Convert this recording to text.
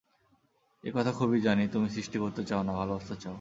এ কথা খুবই জানি, তুমি সৃষ্টি করতে চাও না, ভালোবাসতে চাও।